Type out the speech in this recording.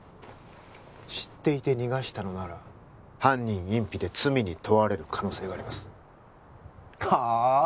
知っていて逃がしたのなら犯人隠避で罪に問われる可能性がありますはっ？